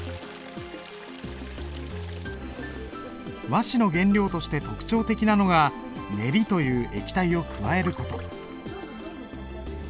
和紙の原料として特徴的なのがネリという液体を加える事。